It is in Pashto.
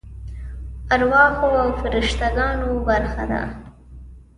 ارواحو او فرشته ګانو برخه ده.